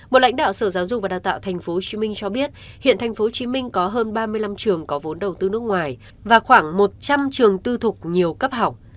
một lãnh đạo sở giáo dục và đào tạo tp hcm cho biết hiện tp hcm có hơn ba mươi năm trường có vốn đầu tư nước ngoài và khoảng một trăm linh trường tư thục nhiều cấp học